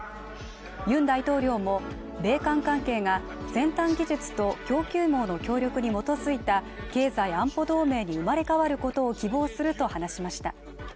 ユン大統領も米韓関係が全体の技術と供給網の協力に基づいた経済安保同盟に生まれ変わることを希望すると話しました。